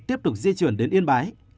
tiếp tục di chuyển đến yên bái